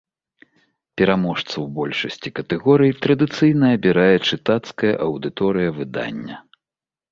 Пераможцаў большасці катэгорый традыцыйна абірае чытацкая аўдыторыя выдання.